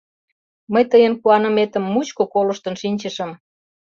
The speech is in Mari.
Мый тыйын куаныметым мучко колыштын шинчышым.